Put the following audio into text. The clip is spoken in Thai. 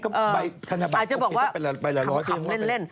ก็ใบธนบัตรโอเคถ้าเป็นหลายร้อยที่นั่งว่าเป็นอาจจะบอกว่าขำเล่น